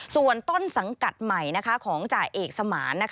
ส่วนต้นสังกัดใหม่ของจ่าเอกสมาน